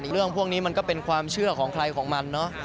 เรื่องพวกนี้มันก็เป็นความเชื่อของใครของมันเนอะ